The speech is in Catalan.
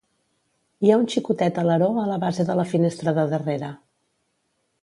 Hi ha un xicotet aleró a la base de la finestra de darrere.